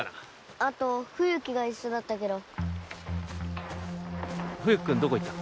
あと冬木が一緒だったけど冬木君どこ行ったの？